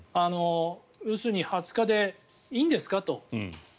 要するに２０日でいいんですかと。